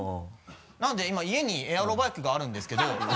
なので今家にエアロバイクがあるんですけど。